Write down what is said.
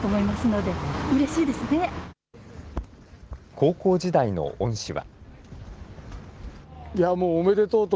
高校時代の恩師は。